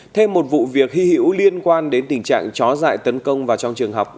thêm một vụ việc hy hữu liên quan đến tình trạng chó dại tấn công vào trong trường học